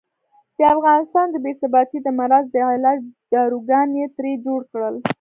د افغانستان د بې ثباتۍ د مرض د علاج داروګان یې ترې جوړ کړل.